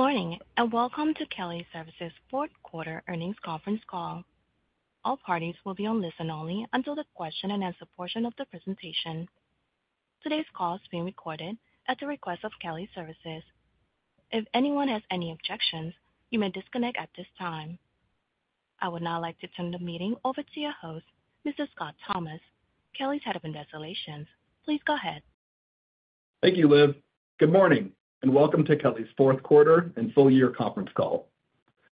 Good morning and welcome to Kelly Services' Fourth Quarter Earnings Conference Call. All parties will be on listen-only until the question and answer portion of the presentation. Today's call is being recorded at the request of Kelly Services. If anyone has any objections, you may disconnect at this time. I would now like to turn the meeting over to your host, Mr. Scott Thomas, Kelly's head of Investor Relations. Please go ahead. Thank you, Liv. Good morning and welcome to Kelly's Fourth Quarter and Full-year Conference Call.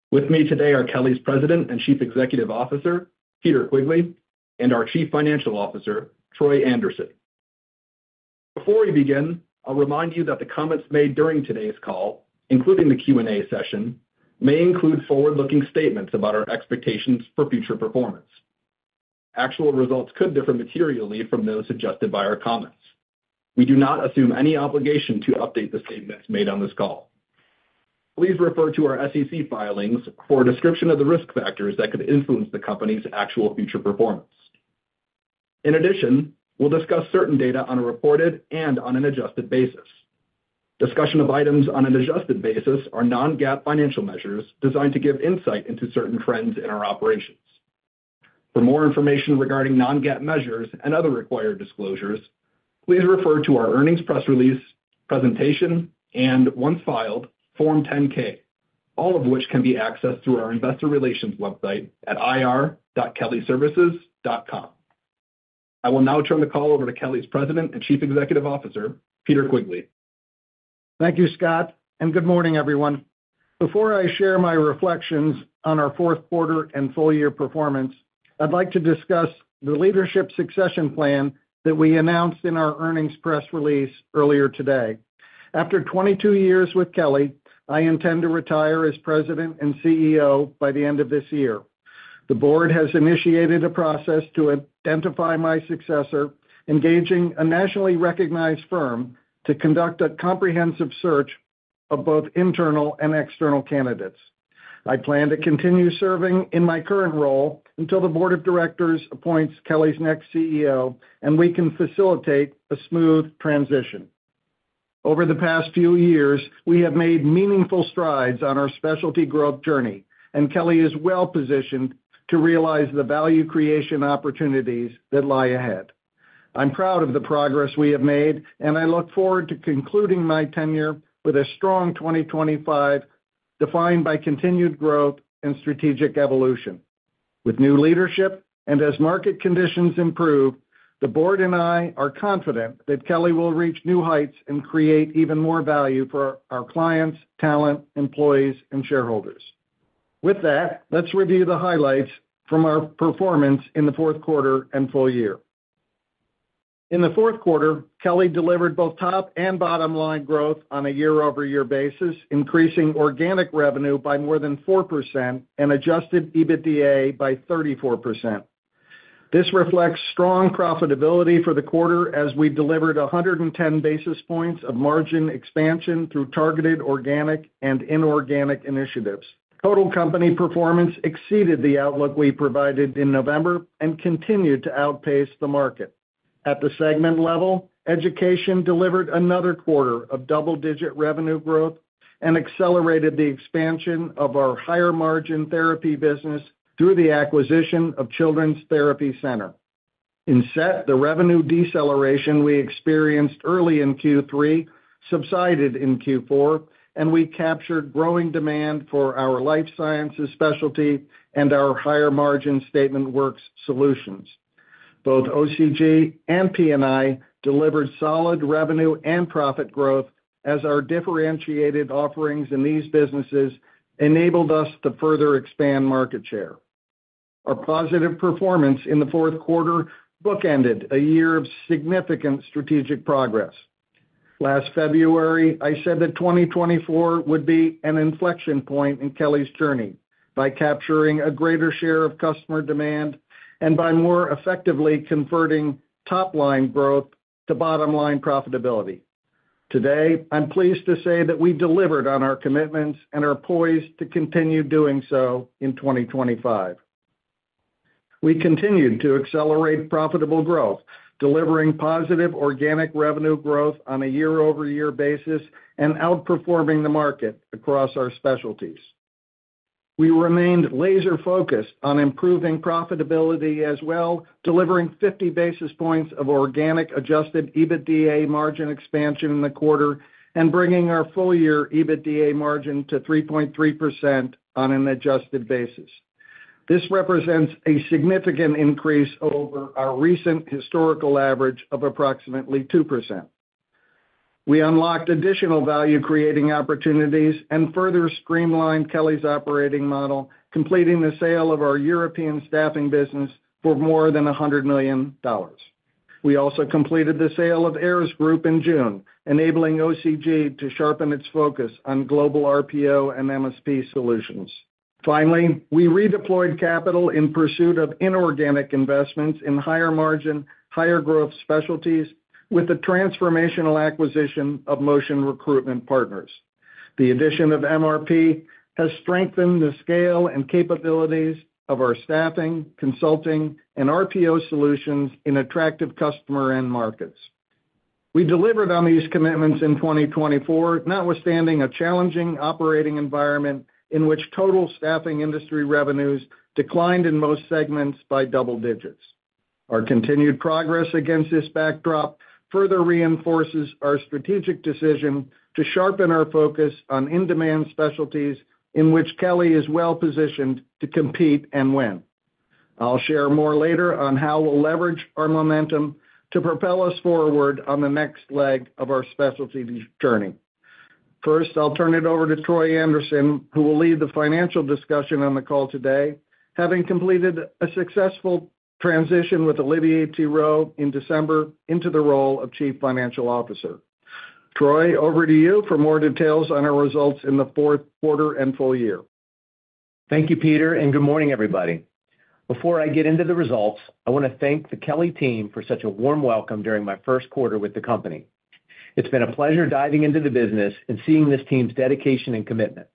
With me today are Kelly's President and Chief Executive Officer, Peter Quigley, and our Chief Financial Officer, Troy Anderson. Before we begin, I'll remind you that the comments made during today's call, including the Q&A session, may include forward-looking statements about our expectations for future performance. Actual results could differ materially from those suggested by our comments. We do not assume any obligation to update the statements made on this call. Please refer to our SEC filings for a description of the risk factors that could influence the company's actual future performance. In addition, we'll discuss certain data on a reported and on an adjusted basis. Discussion of items on an adjusted basis are Non-GAAP financial measures designed to give insight into certain trends in our operations. For more information regarding non-GAAP measures and other required disclosures, please refer to our earnings press release presentation and, once filed, Form 10-K, all of which can be accessed through our investor relations website at ir.kellyservices.com. I will now turn the call over to Kelly's President and Chief Executive Officer, Peter Quigley. Thank you, Scott, and good morning, everyone. Before I share my reflections on our fourth quarter and full year performance, I'd like to discuss the leadership succession plan that we announced in our earnings press release earlier today. After 22 years with Kelly, I intend to retire as President and CEO by the end of this year. The Board has initiated a process to identify my successor, engaging a nationally recognized firm to conduct a comprehensive search of both internal and external candidates. I plan to continue serving in my current role until the Board of Directors appoints Kelly's next CEO, and we can facilitate a smooth transition. Over the past few years, we have made meaningful strides on our specialty growth journey, and Kelly is well-positioned to realize the value creation opportunities that lie ahead. I'm proud of the progress we have made, and I look forward to concluding my tenure with a strong 2025 defined by continued growth and strategic evolution. With new leadership and as market conditions improve, the board and I are confident that Kelly will reach new heights and create even more value for our clients, talent, employees, and shareholders. With that, let's review the highlights from our performance in the fourth quarter and full year. In the fourth quarter, Kelly delivered both top and bottom line growth on a year-over-year basis, increasing organic revenue by more than 4% and adjusted EBITDA by 34%. This reflects strong profitability for the quarter as we delivered 110 basis points of margin expansion through targeted organic and inorganic initiatives. Total company performance exceeded the outlook we provided in November and continued to outpace the market. At the segment level, Education delivered another quarter of double-digit revenue growth and accelerated the expansion of our higher margin therapy business through the acquisition of Children's Therapy Center. In SET, the revenue deceleration we experienced early in Q3 subsided in Q4, and we captured growing demand for our life sciences specialty and our higher-margin Statement of Work solutions. Both OCG and P&I delivered solid revenue and profit growth as our differentiated offerings in these businesses enabled us to further expand market share. Our positive performance in the fourth quarter bookended a year of significant strategic progress. Last February, I said that 2024 would be an inflection point in Kelly's journey by capturing a greater share of customer demand and by more effectively converting top-line growth to bottom line profitability. Today, I'm pleased to say that we delivered on our commitments and are poised to continue doing so in 2025. We continued to accelerate profitable growth, delivering positive organic revenue growth on a year-over-year basis and outperforming the market across our specialties. We remained laser-focused on improving profitability as well, delivering 50 basis points of organic adjusted EBITDA margin expansion in the quarter and bringing our full-year EBITDA margin to 3.3% on an adjusted basis. This represents a significant increase over our recent historical average of approximately 2%. We unlocked additional value-creating opportunities and further streamlined Kelly's operating model, completing the sale of our European staffing business for more than $100 million. We also completed the sale of Ayers Group in June, enabling OCG to sharpen its focus on global RPO and MSP solutions. Finally, we redeployed capital in pursuit of inorganic investments in higher margin, higher growth specialties with a transformational acquisition of Motion Recruitment Partners. The addition of MRP has strengthened the scale and capabilities of our staffing, consulting, and RPO solutions in attractive customer end markets. We delivered on these commitments in 2024, notwithstanding a challenging operating environment in which total staffing industry revenues declined in most segments by double digits. Our continued progress against this backdrop further reinforces our strategic decision to sharpen our focus on in-demand specialties in which Kelly is well-positioned to compete and win. I'll share more later on how we'll leverage our momentum to propel us forward on the next leg of our specialty journey. First, I'll turn it over to Troy Anderson, who will lead the financial discussion on the call today, having completed a successful transition with Olivier Thirot in December into the role of Chief Financial Officer. Troy, over to you for more details on our results in the fourth quarter and full year. Thank you, Peter, and good morning, everybody. Before I get into the results, I want to thank the Kelly team for such a warm welcome during my first quarter with the company. It's been a pleasure diving into the business and seeing this team's dedication and commitment.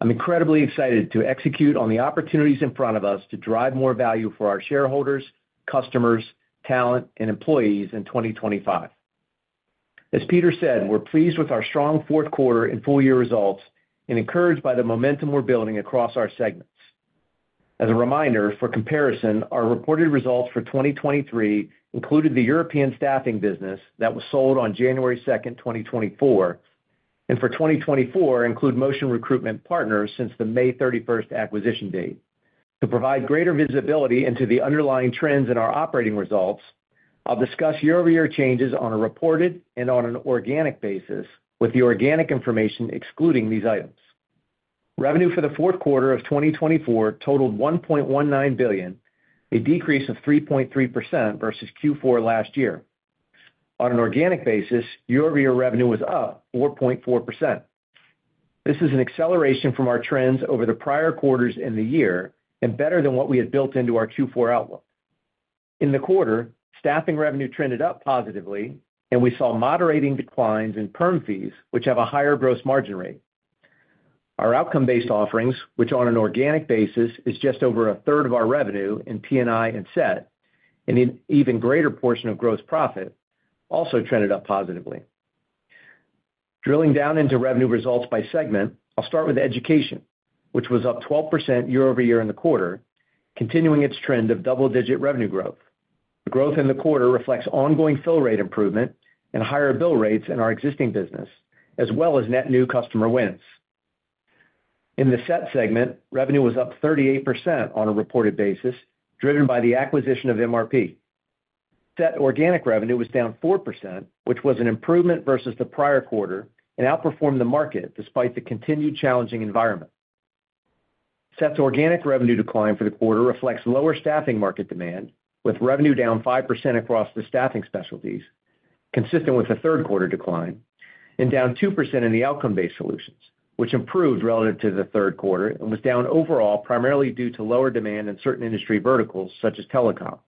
I'm incredibly excited to execute on the opportunities in front of us to drive more value for our shareholders, customers, talent, and employees in 2025. As Peter said, we're pleased with our strong fourth quarter and full year results and encouraged by the momentum we're building across our segments. As a reminder, for comparison, our reported results for 2023 included the European staffing business that was sold on January 2nd, 2024, and for 2024 include Motion Recruitment Partners since the May 31st acquisition date. To provide greater visibility into the underlying trends in our operating results, I'll discuss year-over-year changes on a reported and on an organic basis with the organic information excluding these items. Revenue for the fourth quarter of 2024 totaled $1.19 billion, a decrease of 3.3% versus Q4 last year. On an organic basis, year-over-year revenue was up 4.4%. This is an acceleration from our trends over the prior quarters in the year and better than what we had built into our Q4 outlook. In the quarter, staffing revenue trended up positively, and we saw moderating declines in perm fees, which have a higher gross margin rate. Our outcome-based offerings, which on an organic basis is just over a third of our revenue in P&I and SET, and an even greater portion of gross profit also trended up positively. Drilling down into revenue results by segment, I'll start with Education, which was up 12% year-over-year in the quarter, continuing its trend of double-digit revenue growth. The growth in the quarter reflects ongoing fill rate improvement and higher bill rates in our existing business, as well as net new customer wins. In the SET segment, revenue was up 38% on a reported basis, driven by the acquisition of MRP. SET organic revenue was down 4%, which was an improvement versus the prior quarter and outperformed the market despite the continued challenging environment. SET's organic revenue decline for the quarter reflects lower staffing market demand, with revenue down 5% across the staffing specialties, consistent with the third quarter decline, and down 2% in the outcome-based solutions, which improved relative to the third quarter and was down overall primarily due to lower demand in certain industry verticals such as telecom.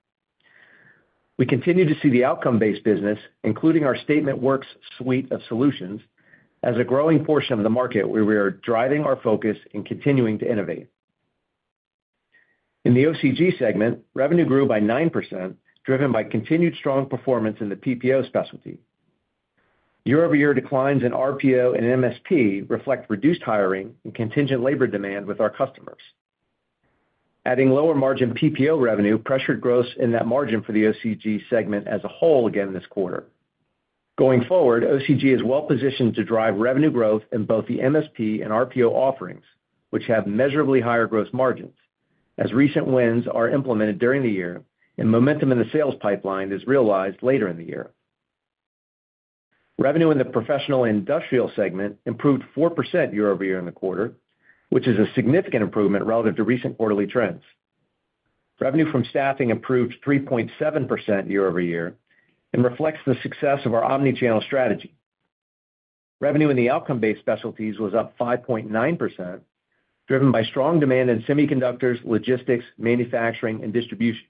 We continue to see the outcome-based business, including our statements of work suite of solutions, as a growing portion of the market where we are driving our focus and continuing to innovate. In the OCG segment, revenue grew by 9%, driven by continued strong performance in the PPO specialty. Year-over-year declines in RPO and MSP reflect reduced hiring and contingent labor demand with our customers. Adding lower margin PPO revenue pressured growth in that margin for the OCG segment as a whole again this quarter. Going forward, OCG is well-positioned to drive revenue growth in both the MSP and RPO offerings, which have measurably higher gross margins, as recent wins are implemented during the year and momentum in the sales pipeline is realized later in the year. Revenue in the Professional & Industrial segment improved 4% year-over-year in the quarter, which is a significant improvement relative to recent quarterly trends. Revenue from staffing improved 3.7% year-over-year and reflects the success of our omnichannel strategy. Revenue in the outcome-based specialties was up 5.9%, driven by strong demand in semiconductors, logistics, manufacturing, and distribution.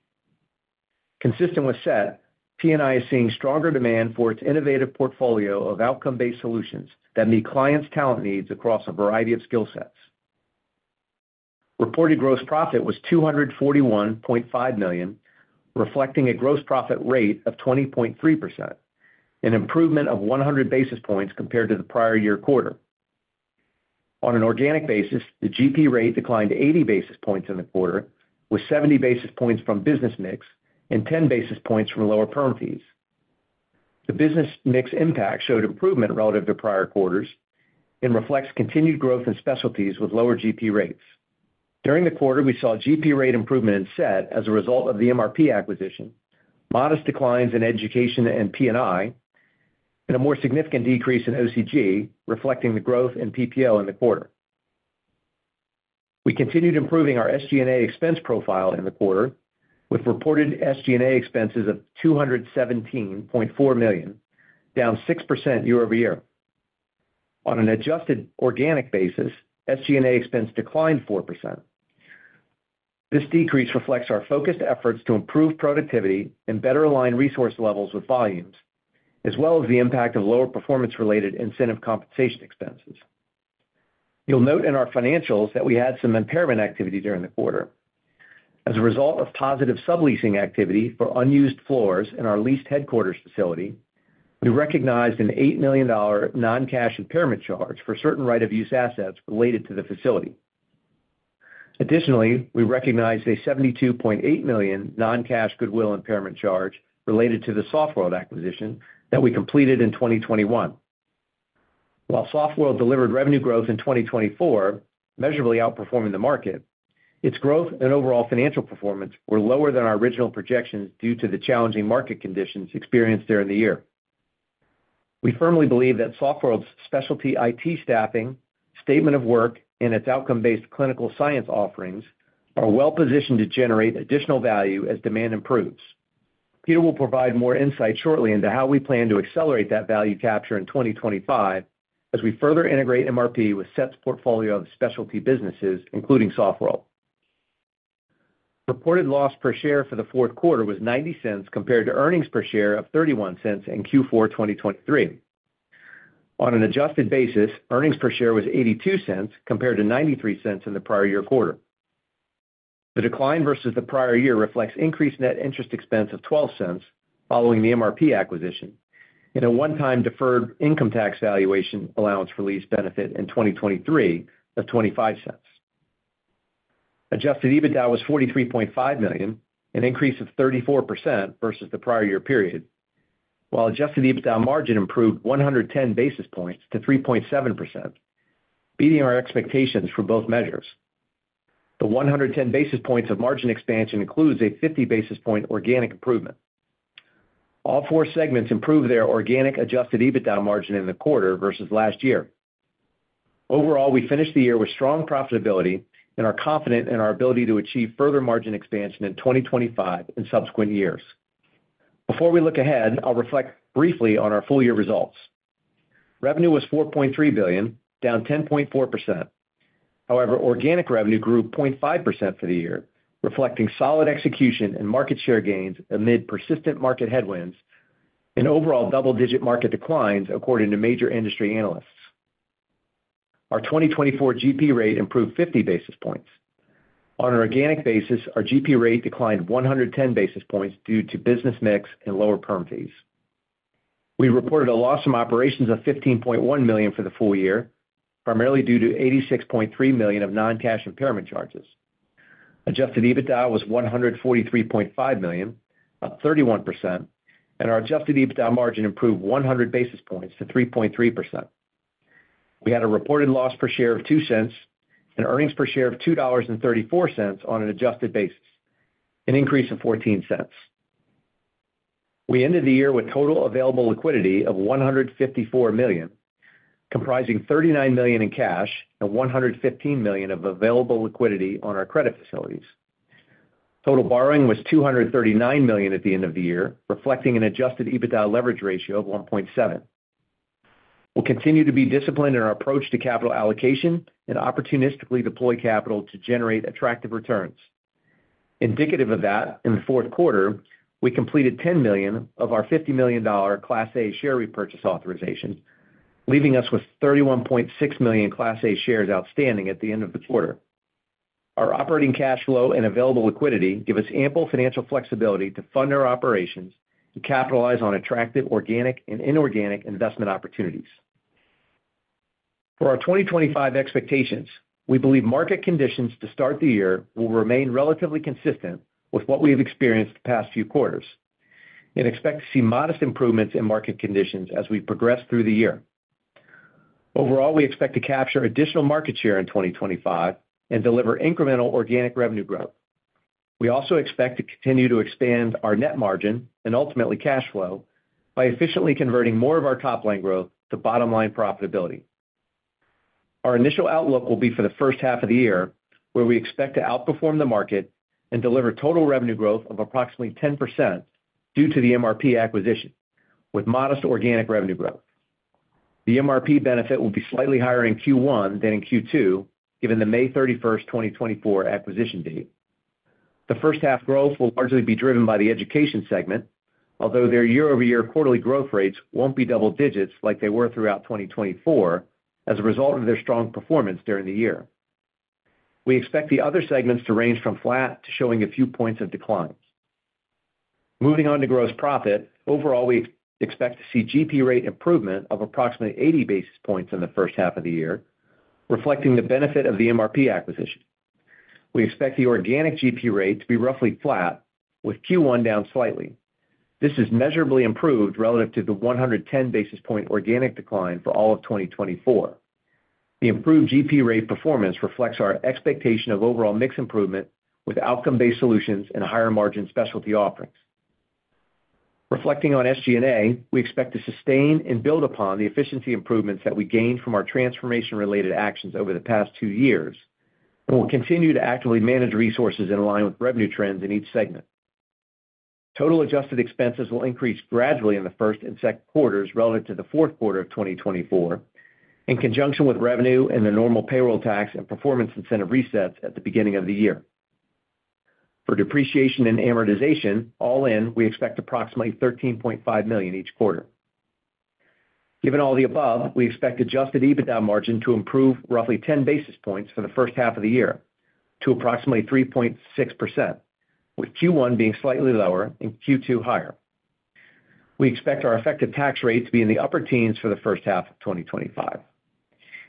Consistent with SET, P&I is seeing stronger demand for its innovative portfolio of outcome-based solutions that meet clients' talent needs across a variety of skill sets. Reported gross profit was $241.5 million, reflecting a gross profit rate of 20.3%, an improvement of 100 basis points compared to the prior year quarter. On an organic basis, the GP rate declined 80 basis points in the quarter, with 70 basis points from business mix and 10 basis points from lower perm fees. The business mix impact showed improvement relative to prior quarters and reflects continued growth in specialties with lower GP rates. During the quarter, we saw GP rate improvement in SET as a result of the MRP acquisition, modest declines in Education and P&I, and a more significant decrease in OCG, reflecting the growth in PPO in the quarter. We continued improving our SG&A expense profile in the quarter, with reported SG&A expenses of $217.4 million, down 6% year-over-year. On an adjusted organic basis, SG&A expense declined 4%. This decrease reflects our focused efforts to improve productivity and better align resource levels with volumes, as well as the impact of lower performance-related incentive compensation expenses. You'll note in our financials that we had some impairment activity during the quarter. As a result of positive subleasing activity for unused floors in our leased headquarters facility, we recognized an $8 million non-cash impairment charge for certain right-of-use assets related to the facility. Additionally, we recognized a $72.8 million non-cash goodwill impairment charge related to the Softworld acquisition that we completed in 2021. While Softworld delivered revenue growth in 2024, measurably outperforming the market, its growth and overall financial performance were lower than our original projections due to the challenging market conditions experienced during the year. We firmly believe that Softworld's specialty IT staffing, statement of work, and its outcome-based clinical science offerings are well-positioned to generate additional value as demand improves. Peter will provide more insight shortly into how we plan to accelerate that value capture in 2025 as we further integrate MRP with SET's portfolio of specialty businesses, including Softworld. Reported loss per share for the fourth quarter was $0.90 compared to earnings per share of $0.31 in Q4 2023. On an adjusted basis, earnings per share was $0.82 compared to $0.93 in the prior year quarter. The decline versus the prior year reflects increased net interest expense of $0.12 following the MRP acquisition and a one-time deferred income tax valuation allowance for lease benefit in 2023 of $0.25. Adjusted EBITDA was $43.5 million, an increase of 34% versus the prior-year period. While adjusted EBITDA margin improved 110 basis points to 3.7%, beating our expectations for both measures. The 110 basis points of margin expansion includes a 50 basis point organic improvement. All four segments improved their organic adjusted EBITDA margin in the quarter versus last year. Overall, we finished the year with strong profitability and are confident in our ability to achieve further margin expansion in 2025 and subsequent years. Before we look ahead, I'll reflect briefly on our full-year results. Revenue was $4.3 billion, down 10.4%. However, organic revenue grew 0.5% for the year, reflecting solid execution and market share gains amid persistent market headwinds and overall double-digit market declines according to major industry analysts. Our 2024 GP rate improved 50 basis points. On an organic basis, our GP rate declined 110 basis points due to business mix and lower perm fees. We reported a loss in operations of $15.1 million for the full year, primarily due to $86.3 million of non-cash impairment charges. Adjusted EBITDA was $143.5 million, up 31%, and our adjusted EBITDA margin improved 100 basis points to 3.3%. We had a reported loss per share of $0.02 and earnings per share of $2.34 on an adjusted basis, an increase of $0.14. We ended the year with total available liquidity of $154 million, comprising $39 million in cash and $115 million of available liquidity on our credit facilities. Total borrowing was $239 million at the end of the year, reflecting an adjusted EBITDA leverage ratio of 1.7. We'll continue to be disciplined in our approach to capital allocation and opportunistically deploy capital to generate attractive returns. Indicative of that, in the fourth quarter, we completed $10 million of our $50 million Class A share repurchase authorization, leaving us with 31.6 million Class A shares outstanding at the end of the quarter. Our operating cash flow and available liquidity give us ample financial flexibility to fund our operations and capitalize on attractive organic and inorganic investment opportunities. For our 2025 expectations, we believe market conditions to start the year will remain relatively consistent with what we have experienced the past few quarters, and expect to see modest improvements in market conditions as we progress through the year. Overall, we expect to capture additional market share in 2025 and deliver incremental organic revenue growth. We also expect to continue to expand our net margin and ultimately cash flow by efficiently converting more of our top-line growth to bottom-line profitability. Our initial outlook will be for the first half of the year, where we expect to outperform the market and deliver total revenue growth of approximately 10% due to the MRP acquisition, with modest organic revenue growth. The MRP benefit will be slightly higher in Q1 than in Q2, given the May 31st, 2024 acquisition date. The first half growth will largely be driven by the Education segment, although their year-over-year quarterly growth rates won't be double digits like they were throughout 2024 as a result of their strong performance during the year. We expect the other segments to range from flat to showing a few points of decline. Moving on to gross profit, overall, we expect to see GP rate improvement of approximately 80 basis points in the first half of the year, reflecting the benefit of the MRP acquisition. We expect the organic GP rate to be roughly flat, with Q1 down slightly. This is measurably improved relative to the 110 basis point organic decline for all of 2024. The improved GP rate performance reflects our expectation of overall mix improvement with outcome-based solutions and higher margin specialty offerings. Reflecting on SG&A, we expect to sustain and build upon the efficiency improvements that we gained from our transformation-related actions over the past two years and will continue to actively manage resources in line with revenue trends in each segment. Total adjusted expenses will increase gradually in the first and second quarters relative to the fourth quarter of 2024, in conjunction with revenue and the normal payroll tax and performance incentive resets at the beginning of the year. For depreciation and amortization, all in, we expect approximately $13.5 million each quarter. Given all the above, we expect adjusted EBITDA margin to improve roughly 10 basis points for the first half of the year to approximately 3.6%, with Q1 being slightly lower and Q2 higher. We expect our effective tax rate to be in the upper teens for the first half of 2025.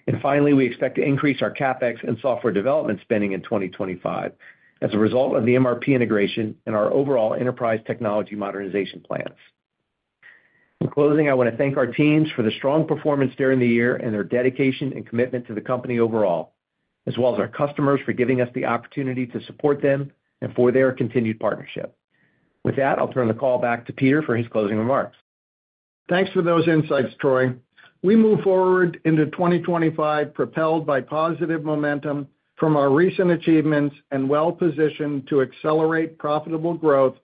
And finally, we expect to increase our CapEx and software development spending in 2025 as a result of the MRP integration and our overall enterprise technology modernization plans. In closing, I want to thank our teams for the strong performance during the year and their dedication and commitment to the company overall, as well as our customers for giving us the opportunity to support them and for their continued partnership. With that, I'll turn the call back to Peter for his closing remarks. Thanks for those insights, Troy. We move forward into 2025 propelled by positive momentum from our recent achievements and well-positioned to accelerate profitable growth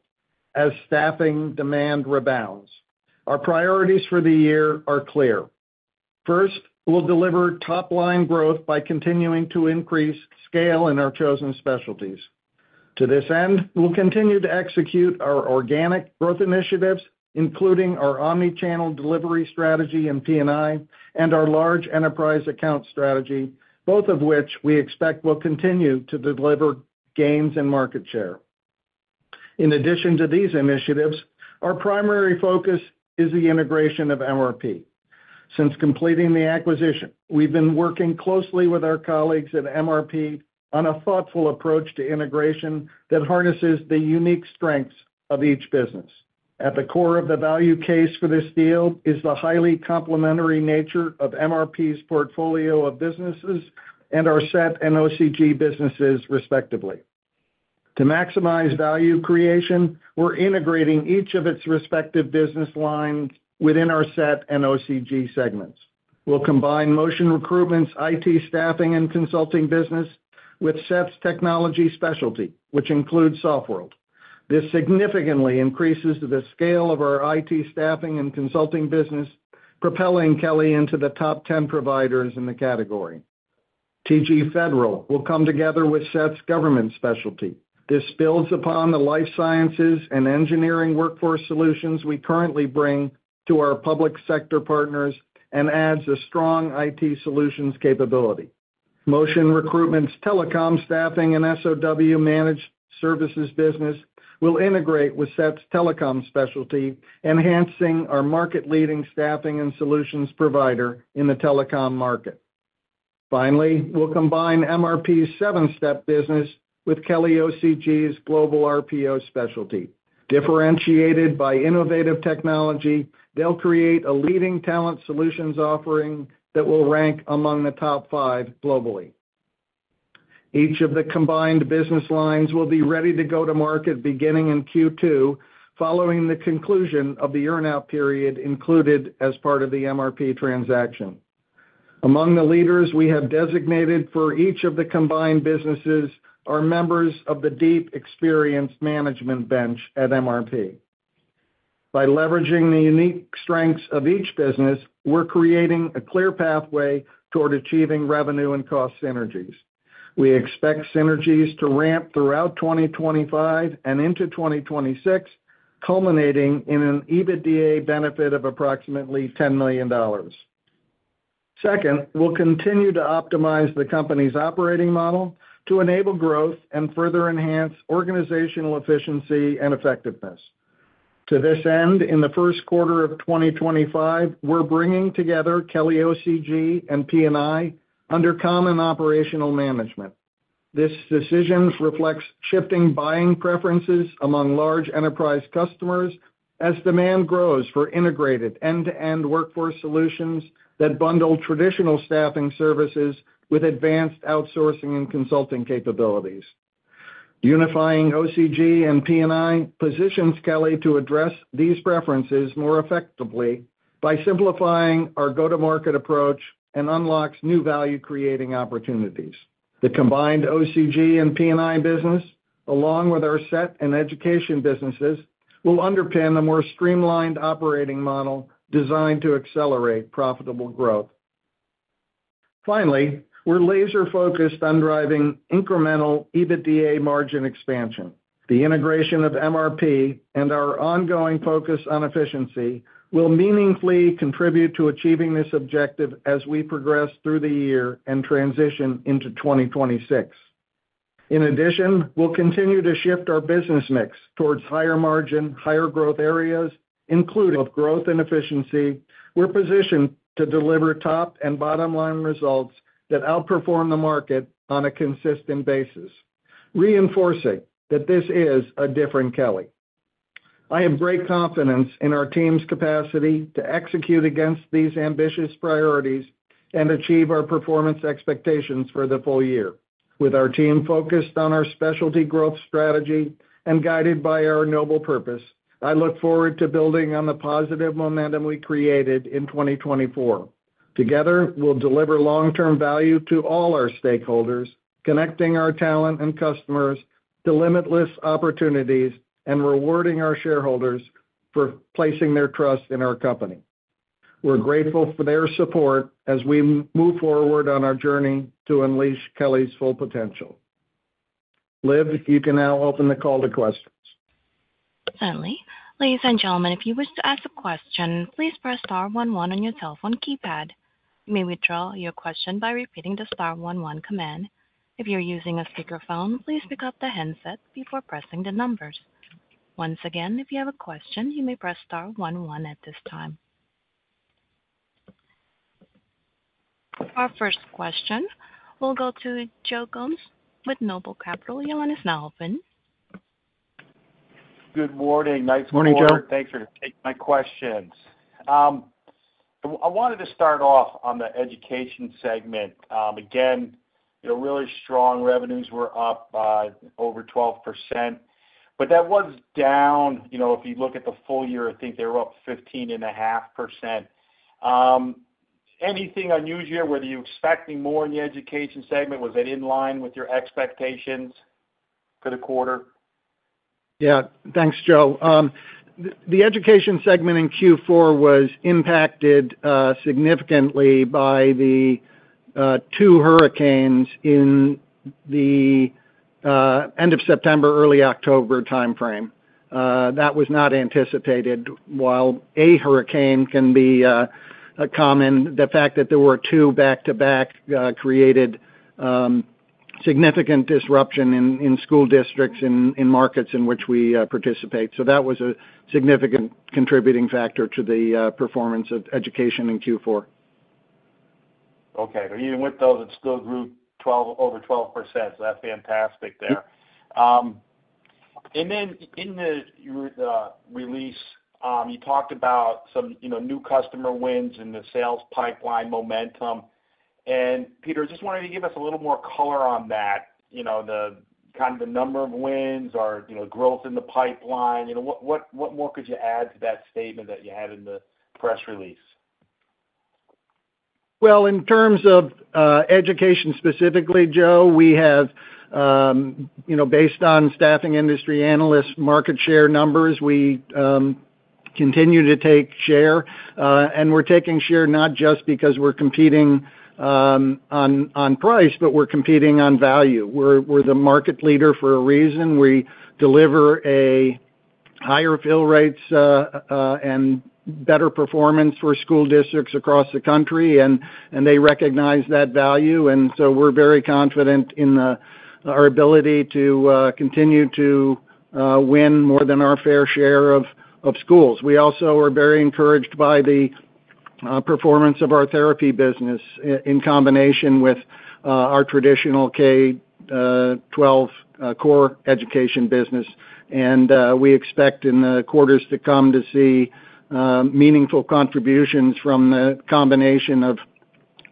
as staffing demand rebounds. Our priorities for the year are clear. First, we'll deliver top-line growth by continuing to increase scale in our chosen specialties. To this end, we'll continue to execute our organic growth initiatives, including our omnichannel delivery strategy in P&I and our large enterprise account strategy, both of which we expect will continue to deliver gains in market share. In addition to these initiatives, our primary focus is the integration of MRP. Since completing the acquisition, we've been working closely with our colleagues at MRP on a thoughtful approach to integration that harnesses the unique strengths of each business. At the core of the value case for this deal is the highly complementary nature of MRP's portfolio of businesses and our SET and OCG businesses, respectively. To maximize value creation, we're integrating each of its respective business lines within our SET and OCG segments. We'll combine Motion Recruitment's IT Staffing and Consulting business with SET's technology specialty, which includes Softworld. This significantly increases the scale of our IT staffing and consulting business, propelling Kelly into the top 10 providers in the category. TG Federal will come together with SET's government specialty. This builds upon the life sciences and engineering workforce solutions we currently bring to our public sector partners and adds a strong IT solutions capability. Motion Recruitment's telecom staffing, and SOW-managed services business will integrate with SET's telecom specialty, enhancing our market-leading staffing and solutions provider in the telecom market. Finally, we'll combine MRP's Sevenstep business with Kelly OCG's global RPO specialty. Differentiated by innovative technology, they'll create a leading talent solutions offering that will rank among the top five globally. Each of the combined business lines will be ready to go to market beginning in Q2, following the conclusion of the earnout period included as part of the MRP transaction. Among the leaders we have designated for each of the combined businesses are members of the deep experience management bench at MRP. By leveraging the unique strengths of each business, we're creating a clear pathway toward achieving revenue and cost synergies. We expect synergies to ramp throughout 2025 and into 2026, culminating in an EBITDA benefit of approximately $10 million. Second, we'll continue to optimize the company's operating model to enable growth and further enhance organizational efficiency and effectiveness. To this end, in the first quarter of 2025, we're bringing together Kelly OCG and P&I under common operational management. This decision reflects shifting buying preferences among large enterprise customers as demand grows for integrated end-to-end workforce solutions that bundle traditional staffing services with advanced outsourcing and consulting capabilities. Unifying OCG and P&I positions Kelly to address these preferences more effectively by simplifying our go-to-market approach and unlocks new value-creating opportunities. The combined OCG and P&I business, along with our SET and Education businesses, will underpin a more streamlined operating model designed to accelerate profitable growth. Finally, we're laser-focused on driving incremental EBITDA margin expansion. The integration of MRP and our ongoing focus on efficiency will meaningfully contribute to achieving this objective as we progress through the year and transition into 2026. In addition, we'll continue to shift our business mix towards higher-margin, higher-growth areas, including. On growth and efficiency, we're positioned to deliver top and bottom-line results that outperform the market on a consistent basis, reinforcing that this is a different Kelly. I have great confidence in our team's capacity to execute against these ambitious priorities and achieve our performance expectations for the full year. With our team focused on our specialty growth strategy and guided by our noble purpose, I look forward to building on the positive momentum we created in 2024. Together, we'll deliver long-term value to all our stakeholders, connecting our talent and customers to limitless opportunities and rewarding our shareholders for placing their trust in our company. We're grateful for their support as we move forward on our journey to unleash Kelly's full potential. Liv, you can now open the call to questions. Ladies and gentlemen, if you wish to ask a question, please press star one one on your cell phone keypad. You may withdraw your question by repeating the star one one command. If you're using a speakerphone, please pick up the handset before pressing the numbers. Once again, if you have a question, you may press star one one at this time. Our first question will go to Joe Gomes with Noble Capital. Your line, it's now open. Good morning. Nice morning. Thanks for taking my questions. I wanted to start off on the Education segment. Again, really strong revenues were up over 12%, but that was down. If you look at the full year, I think they were up 15.5%. Anything unusual? Were you expecting more in the Education segment? Was it in line with your expectations for the quarter? Yeah. Thanks, Joe. The Education segment in Q4 was impacted significantly by the two hurricanes in the end of September, early October timeframe. That was not anticipated. While a hurricane can be common, the fact that there were two back-to-back created significant disruption in school districts and in markets in which we participate. So that was a significant contributing factor to the performance of Education in Q4. Okay. But even with those, it still grew over 12%. So that's fantastic there. And then in the release, you talked about some new customer wins in the sales pipeline momentum. And Peter, I just wanted to give us a little more color on that, kind of the number of wins, our growth in the pipeline. What more could you add to that statement that you had in the press release? Well, in terms of Education specifically, Joe, we have, based on Staffing Industry Analysts market share numbers, we continue to take share. And we're taking share not just because we're competing on price, but we're competing on value. We're the market leader for a reason. We deliver higher fill rates and better performance for school districts across the country, and they recognize that value. And so we're very confident in our ability to continue to win more than our fair share of schools. We also are very encouraged by the performance of our therapy business in combination with our traditional K-12 core Education business. And we expect in the quarters to come to see meaningful contributions from the combination of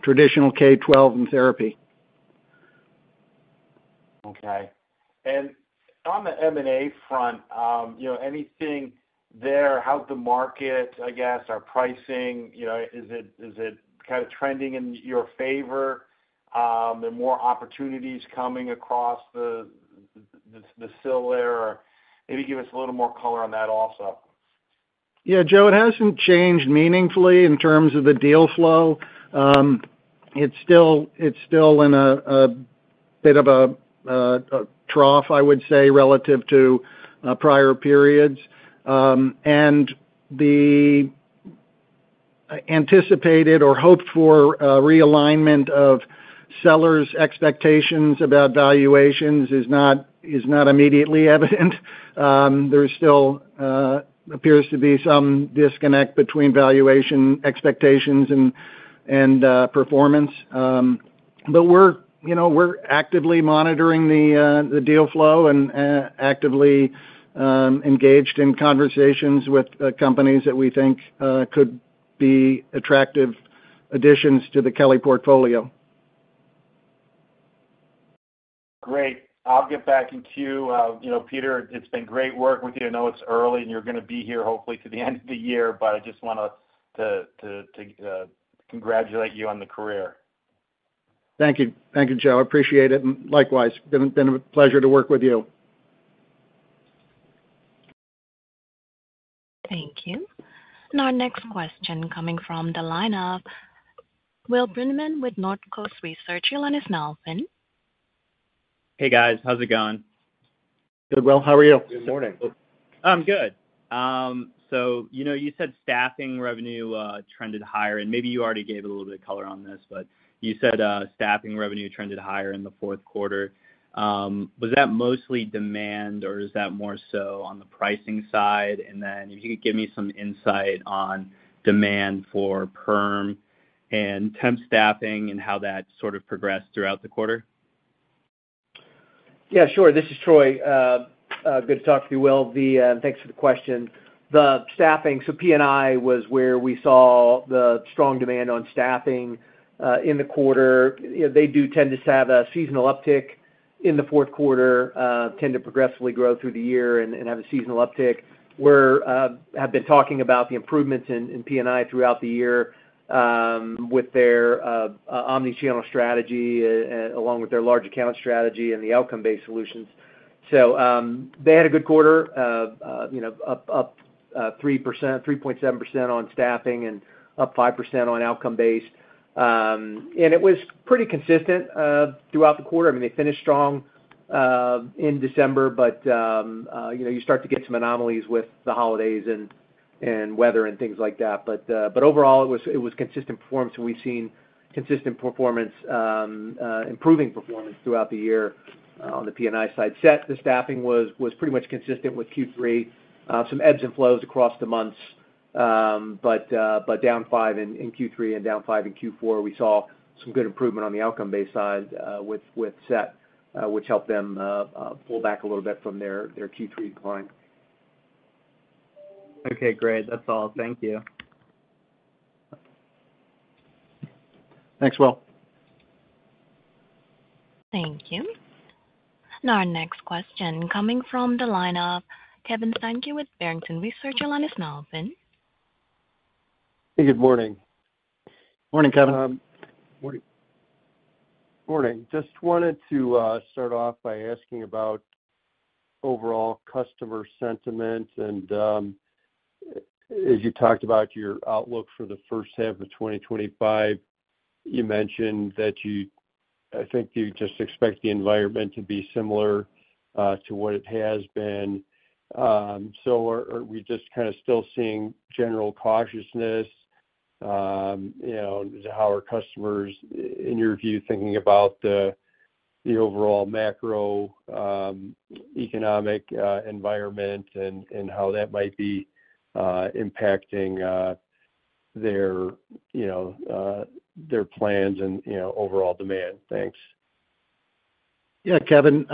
traditional K-12 and therapy. Okay. And on the M&A front, anything there? How's the market, I guess, our pricing? Is it kind of trending in your favor? Are there more opportunities coming across the sale there? Maybe give us a little more color on that also. Yeah, Joe, it hasn't changed meaningfully in terms of the deal flow. It's still in a bit of a trough, I would say, relative to prior periods. And the anticipated or hoped-for realignment of sellers' expectations about valuations is not immediately evident. There still appears to be some disconnect between valuation expectations and performance. But we're actively monitoring the deal flow and actively engaged in conversations with companies that we think could be attractive additions to the Kelly portfolio. Great. I'll get back in queue. Peter, it's been great working with you. I know it's early, and you're going to be here hopefully to the end of the year, but I just want to congratulate you on the career. Thank you. Thank you, Joe. I appreciate it. And likewise, it's been a pleasure to work with you. Thank you, and our next question coming from the line of Will Grinman with Northcoast Research. Your line, it's now open. Hey, guys. How's it going? Good. Well, how are you? Good morning. I'm good. So you said staffing revenue trended higher. Maybe you already gave a little bit of color on this, but you said staffing revenue trended higher in the fourth quarter. Was that mostly demand, or is that more so on the pricing side? And then if you could give me some insight on demand for perm and temp staffing and how that sort of progressed throughout the quarter. Yeah, sure. This is Troy. Good to talk to you, Will. Thanks for the question. The staffing, so P&I was where we saw the strong demand on staffing in the quarter. They do tend to have a seasonal uptick in the fourth quarter, tend to progressively grow through the year, and have a seasonal uptick. We have been talking about the improvements in P&I throughout the year with their omnichannel strategy along with their large account strategy and the outcome-based solutions. They had a good quarter, up 3.7% on staffing and up 5% on outcome-based. And it was pretty consistent throughout the quarter. I mean, they finished strong in December, but you start to get some anomalies with the holidays and weather and things like that. But overall, it was consistent performance. We've seen consistent performance, improving performance throughout the year on the P&I side. SET, the staffing was pretty much consistent with Q3, some ebbs and flows across the months, but down 5% in Q3 and down 5% in Q4. We saw some good improvement on the outcome-based side with SET, which helped them pull back a little bit from their Q3 decline. Okay. Great. That's all. Thank you. Thanks, Will. Thank you. And our next question coming from the line of Kevin Steinke with Barrington Research. Your line, it's now open. Hey, good morning. Morning, Kevin. Morning. Morning. Just wanted to start off by asking about overall customer sentiment, and as you talked about your outlook for the first half of 2025, you mentioned that you think you just expect the environment to be similar to what it has been, so are we just kind of still seeing general cautiousness? How are customers, in your view, thinking about the overall macroeconomic environment and how that might be impacting their plans and overall demand? Thanks. Yeah, Kevin,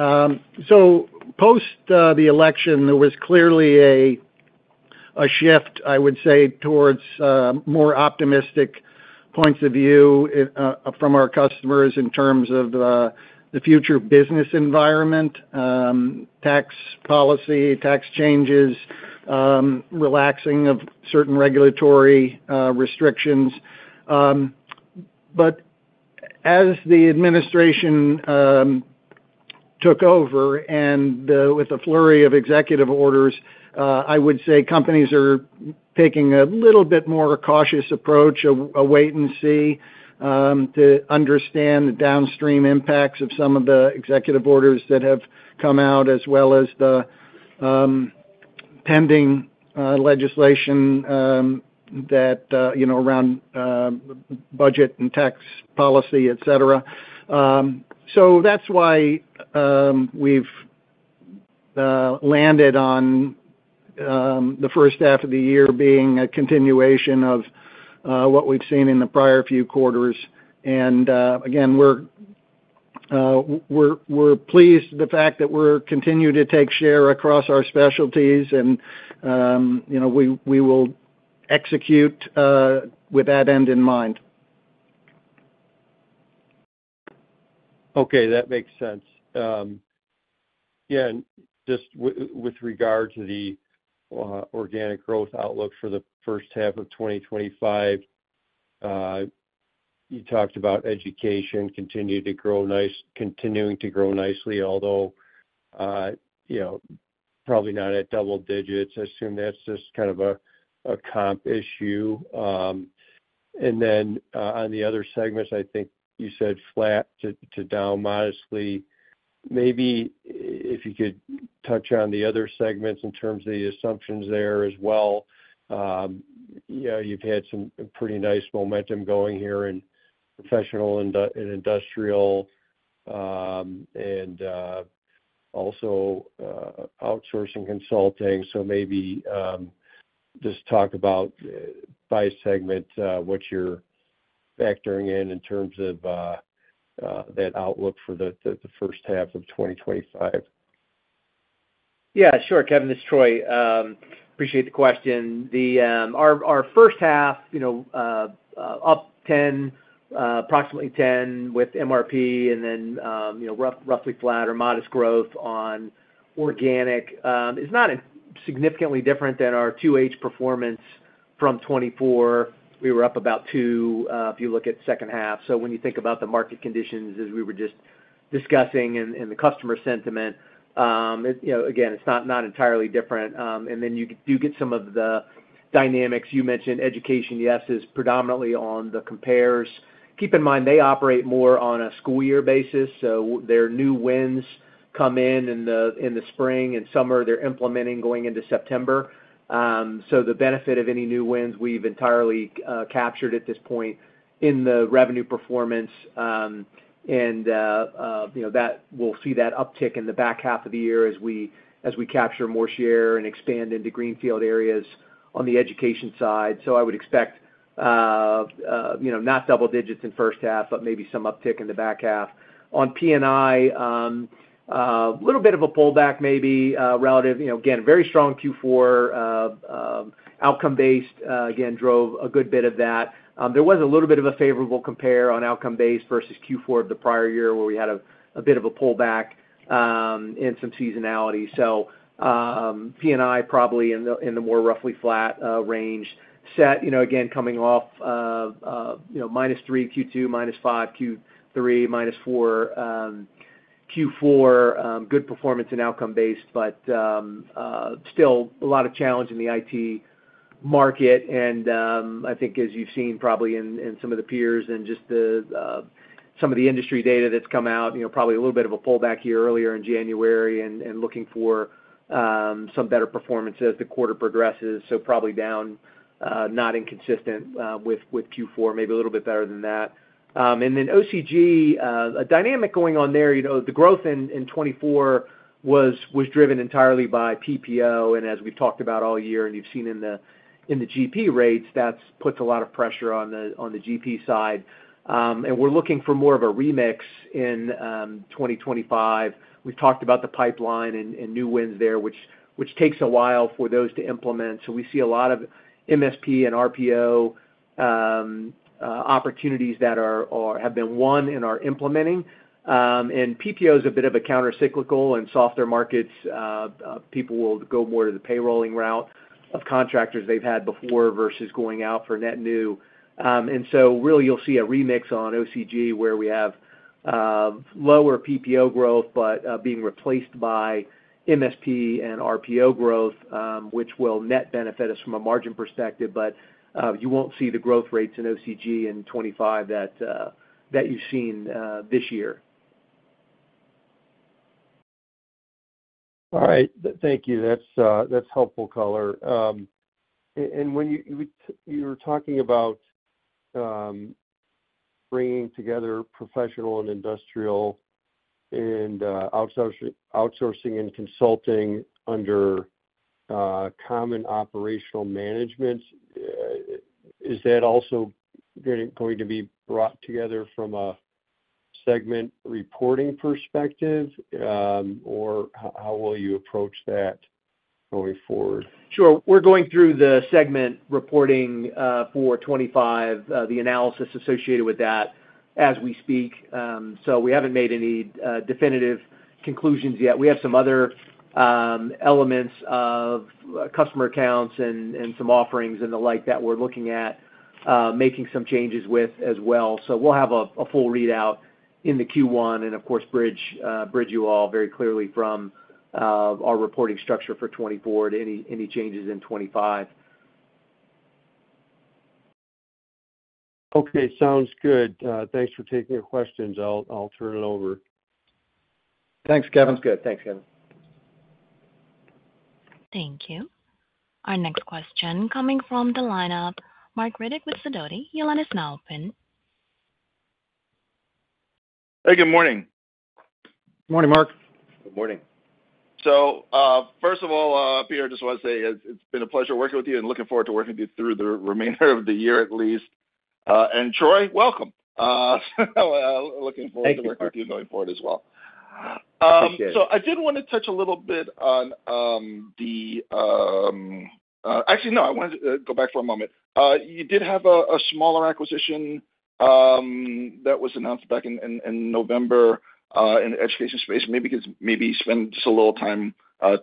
so post the election, there was clearly a shift, I would say, towards more optimistic points of view from our customers in terms of the future business environment, tax policy, tax changes, relaxing of certain regulatory restrictions. But as the administration took over and with a flurry of executive orders, I would say companies are taking a little bit more cautious approach, a wait and see to understand the downstream impacts of some of the executive orders that have come out, as well as the pending legislation around budget and tax policy, etc., So that's why we've landed on the first half of the year being a continuation of what we've seen in the prior few quarters, and again, we're pleased with the fact that we're continuing to take share across our specialties, and we will execute with that end in mind. Okay. That makes sense. Yeah, and just with regard to the organic growth outlook for the first half of 2025, you talked about Education continuing to grow nicely, although probably not at double digits. I assume that's just kind of a comp issue. And then on the other segments, I think you said flat to down modestly. Maybe if you could touch on the other segments in terms of the assumptions there as well. You've had some pretty nice momentum going here in Professional and Industrial, and also Outsourcing consulting. So maybe just talk about by segment what you're factoring in in terms of that outlook for the first half of 2025. Yeah, sure. Kevin, this is Troy. Appreciate the question. Our first half, up 10%, approximately 10% with MRP, and then roughly flat or modest growth on organic. It's not significantly different than our 2H performance from 2024. We were up about 2% if you look at second half. So when you think about the market conditions as we were just discussing and the Customer sentiment, again, it's not entirely different. And then you do get some of the dynamics. You mentioned Education, yes, is predominantly on the compares. Keep in mind they operate more on a school-year basis. So their new wins come in in the spring and summer. They're implementing going into September. So the benefit of any new wins we've entirely captured at this point in the revenue performance. And we'll see that uptick in the back half of the year as we capture more share and expand into greenfield areas on the education side. So I would expect not double digits in first half, but maybe some uptick in the back half. On P&I, a little bit of a pullback maybe relative. Again, very strong Q4 outcome-based, again, drove a good bit of that. There was a little bit of a favorable compare on outcome-based versus Q4 of the prior year where we had a bit of a pullback and some seasonality. So P&I probably in the more roughly flat range. SET, again, coming off -3 Q2, -5 Q3, -4 Q4, good performance and outcome-based, but still a lot of challenge in the IT market. And I think, as you've seen probably in some of the peers and just some of the industry data that's come out, probably a little bit of a pullback here earlier in January and looking for some better performance as the quarter progresses. So probably down, not inconsistent with Q4, maybe a little bit better than that. And then OCG, a dynamic going on there. The growth in 2024 was driven entirely by PPO. And as we've talked about all year, and you've seen in the GP rates, that puts a lot of pressure on the GP side. And we're looking for more of a remix in 2025. We've talked about the pipeline and new wins there, which takes a while for those to implement. So we see a lot of MSP and RPO opportunities that have been won and are implementing, and PPO is a bit of a countercyclical in softer markets. People will go more to the payrolling route of contractors they've had before versus going out for net new, and so really, you'll see a remix on OCG where we have lower PPO growth, but being replaced by MSP and RPO growth, which will net benefit us from a margin perspective, but you won't see the growth rates in OCG in 2025 that you've seen this year. All right. Thank you. That's helpful color. When you were talking about bringing together professional and industrial and outsourcing and consulting under common operational management, is that also going to be brought together from a segment reporting perspective, or how will you approach that going forward? Sure. We're going through the segment reporting for 2025, the analysis associated with that as we speak. So we haven't made any definitive conclusions yet. We have some other elements of customer accounts and some offerings, and the like that we're looking at, making some changes with as well. So we'll have a full readout in the Q1 and, of course, bridge you all very clearly from our reporting structure for 2024 to any changes in 2025. Okay. Sounds good. Thanks for taking your questions. I'll turn it over. Thanks, Kevin. Sounds good. Thanks, Kevin. Thank you. Our next question coming from the line of Marc Riddick with Sidoti. Your line, it's now open. Hey, good morning. Good morning, Marc. Good morning. So first of all, Peter, I just want to say it's been a pleasure working with you and looking forward to working with you through the remainder of the year at least. And Troy, welcome. Looking forward to working with you going forward as well. So I did want to touch a little bit on the actually, no, I wanted to go back for a moment. You did have a smaller acquisition that was announced back in November in the Education space. Maybe spend just a little time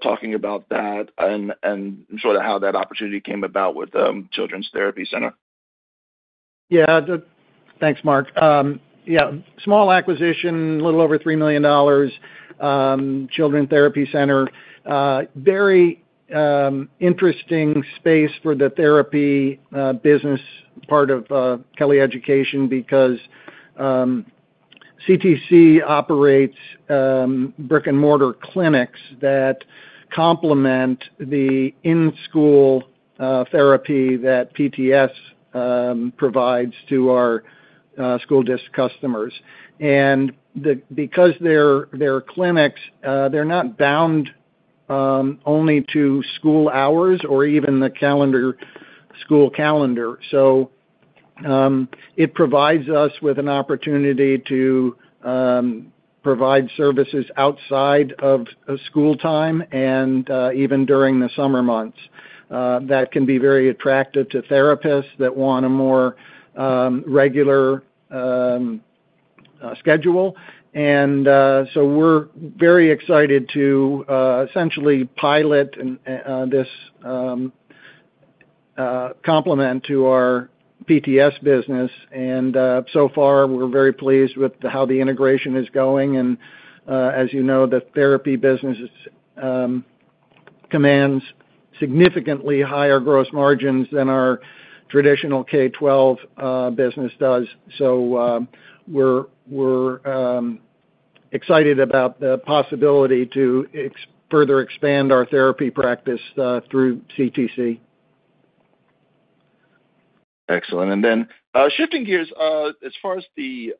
talking about that and sort of how that opportunity came about with Children's Therapy Center. Yeah. Thanks, Marc. Yeah. Small acquisition, a little over $3 million Children's Therapy Center. Very interesting space for the therapy business part of Kelly Education because CTC operates brick-and-mortar clinics that complement the in-school therapy that PTS provides to our school desk customers. And because they're clinics, they're not bound only to school hours or even the school calendar. So it provides us with an opportunity to provide services outside of school time and even during the summer months. That can be very attractive to therapists that want a more regular schedule. And so we're very excited to essentially pilot this complement to our PTS business. And so far, we're very pleased with how the integration is going. And as you know, the therapy business commands significantly higher gross margins than our traditional K-12 business does. So we're excited about the possibility to further expand our therapy practice through CTC. Excellent. Then shifting gears, as far as the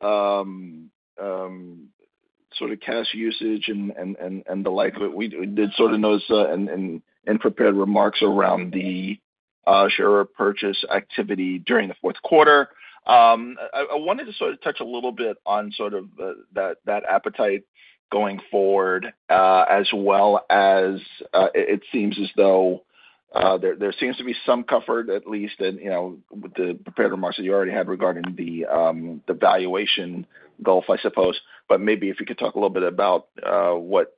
sort of cash usage and the like, we did sort of those our prepared remarks around the share repurchase activity during the fourth quarter. I wanted to sort of touch a little bit on sort of that appetite going forward as well as it seems as though there seems to be some comfort, at least with the prepared remarks that you already had regarding the valuation gulf, I suppose. But maybe if you could talk a little bit about what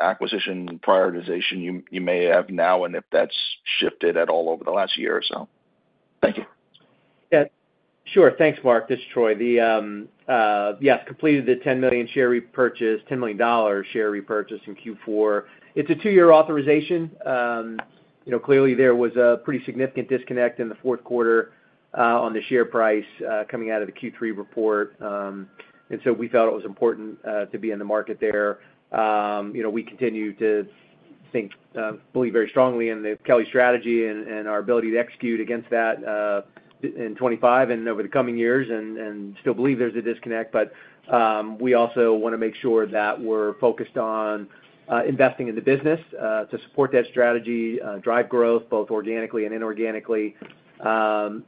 acquisition prioritization you may have now, and if that's shifted at all over the last year or so. Thank you. Yeah. Sure. Thanks, Marc. This is Troy. Yes, completed the $10 million share repurchase in Q4. It's a two-year authorization. Clearly, there was a pretty significant disconnect in the fourth quarter on the share price coming out of the Q3 report. And so we felt it was important to be in the market there. We continue to believe very strongly in the Kelly strategy and our ability to execute against that in 2025 and over the coming years, and still believe there's a disconnect. But we also want to make sure that we're focused on investing in the business to support that strategy, drive growth both organically and inorganically,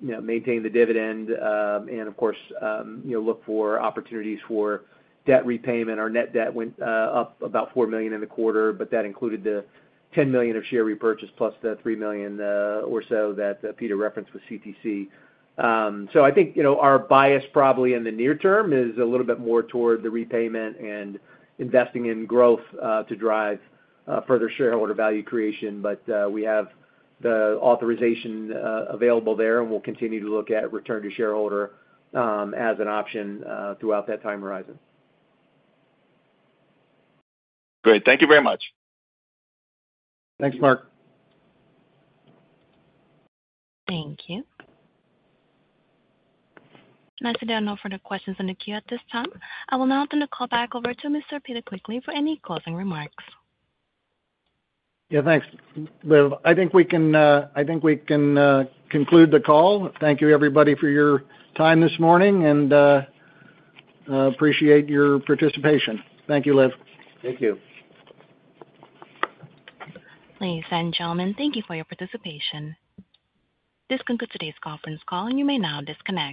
maintain the dividend, and, of course, look for opportunities for debt repayment. Our net debt went up about $4 million in the quarter, but that included the $10 million of share repurchase plus the $3 million or so that Peter referenced with CTC. So I think our bias probably in the near term is a little bit more toward the repayment and investing in growth to drive further shareholder value creation. But we have the authorization available there, and we'll continue to look at return to shareholder as an option throughout that time horizon. Great. Thank you very much. Thanks, Marc. Thank you. There are no further questions in the queue at this time. I will now turn the call back over to Mr. Peter Quigley for any closing remarks. Yeah, thanks. Liv, I think we can conclude the call. Thank you, everybody, for your time this morning, and appreciate your participation. Thank you, Liv. Thank you. Ladies and gentlemen, thank you for your participation. This concludes today's conference call, and you may now disconnect.